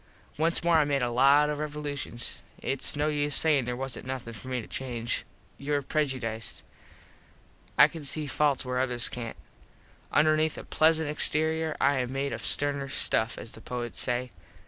Once more I made a lot of revolushuns. Its no use sayin there wasnt nothin for me to change. Youre prejudiced. I can see falts where others cant. Underneath a plesant exterior I am made of sterner stuff, as the poets say.